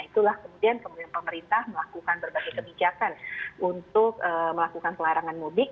itulah kemudian pemerintah melakukan berbagai kebijakan untuk melakukan pelarangan mudik